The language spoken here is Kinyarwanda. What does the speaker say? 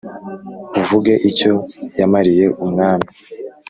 avuge icyo yamariye umwami